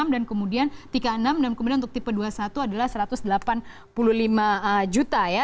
dan kemudian tiga puluh enam dan kemudian untuk tipe dua puluh satu adalah satu ratus delapan puluh lima juta ya